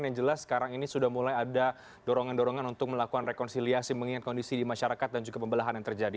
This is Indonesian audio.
yang jelas sekarang ini sudah mulai ada dorongan dorongan untuk melakukan rekonsiliasi mengingat kondisi di masyarakat dan juga pembelahan yang terjadi